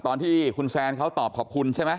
ตอนที่คุณแซนเขาตอบขอบคุณใช่ไหม